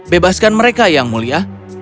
bebaskan mereka yang mulia